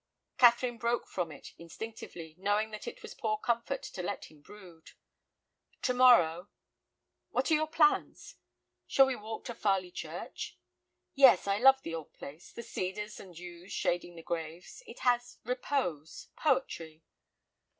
Catherine broke from it instinctively, knowing that it was poor comfort to let him brood. "To morrow—" "What are your plans?" "Shall we walk to Farley church?" "Yes, I love the old place, the cedars and yews shading the graves. It has repose—poetry."